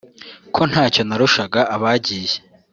“Ko ntacyo narushaka abagiye